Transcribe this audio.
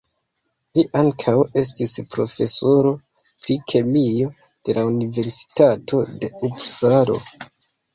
Li ankaŭ estis profesoro pri kemio de la universitato de Upsalo.